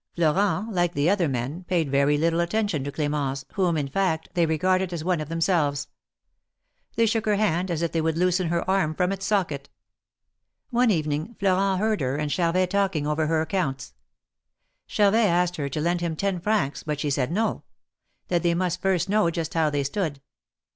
Florent, like the other men, paid very little attention to Clemence, whom, in fact, they regarded as one of them selves. They shook her hand as if they would loosen her arm from its socket. One evening Florent heard her and Charvet talking over her accounts. Charvet asked her to lend him ten francs, but she said no; that they must first know just how they stood.